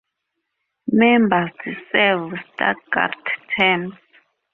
Members serve staggered terms.